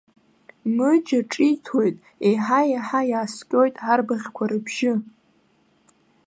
Мыџьа ҿиҭуеит, еиҳа-еиҳа иааскьоит арбаӷьқәа рыбжьы.